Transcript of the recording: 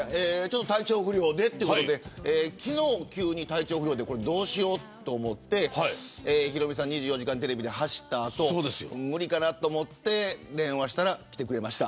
体調不良でということで昨日、急に体調不良でどうしようと思ってヒロミさん、２４時間テレビで走った後無理かなと思って電話したら来てくれました。